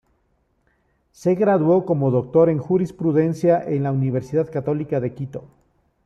Se graduó como doctor en Jurisprudencia en la Universidad Católica de Quito.